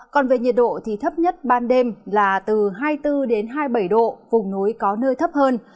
còn về nhiệt độ thì thấp nhất ban đêm là từ hai mươi bốn hai mươi bảy độ vùng núi có nơi thấp hơn